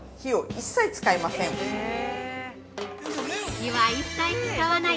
◆火は一切使わない！